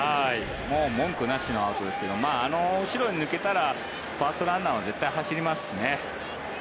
文句なしのアウトですけどあの後ろに抜けたらファーストランナーは絶対走りますね。